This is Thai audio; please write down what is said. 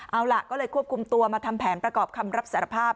เอาล่ะก็เลยควบคุมตัวมาทำแผนประกอบคำรับสารภาพ